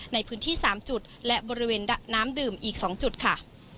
ในพื้นที่๓จุดและบริเวณน้ำดื่มอีก๒จุดค่ะ